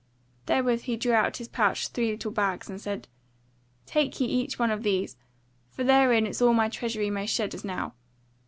Therewith he drew out of his pouch three little bags, and said; "Take ye each one of these; for therein is all that my treasury may shed as now.